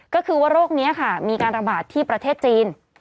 ก็คือว่าโรคนี้ค่ะมีการระบาดที่ประเทศจีน